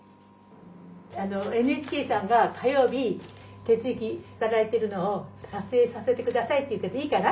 ＮＨＫさんが火曜日徹之働いてるのを撮影させて下さいって言うけどいいかな？